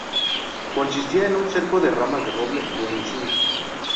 Consistía en un cerco de ramas de roble o encina.